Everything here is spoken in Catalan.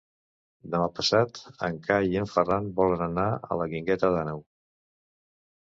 Demà passat en Cai i en Ferran volen anar a la Guingueta d'Àneu.